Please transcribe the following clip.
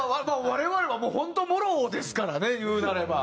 我々はもう本当もろですからね言うなれば。